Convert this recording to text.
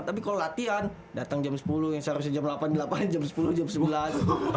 tapi kalau latihan datang jam sepuluh yang seharusnya jam lapan di lapangan jam sepuluh jam sembilan